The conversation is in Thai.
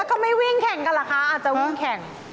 แล้วก็ไม่วิ่งแข่งกันเหรอคะอาจจะวิ่งแข่ง